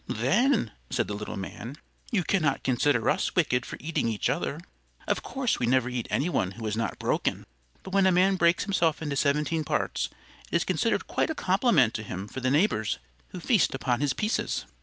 "Then," said the little man, "you cannot consider us wicked for eating each other. Of course, we never eat anyone who is not broken; but when a man breaks himself into seventeen parts, it is considered quite a compliment to him for the neighbors who feast upon his pieces."